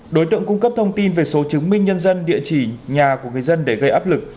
đối tượng cung cấp thông tin về số chứng minh nhân dân địa chỉ nhà của người dân để gây áp lực